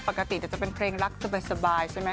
ปกติจะเป็นเพลงรักสบายใช่ไหม